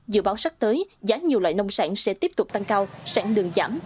dự báo sắp tới giá nhiều loại nông sản sẽ tiếp tục tăng cao sản lượng giảm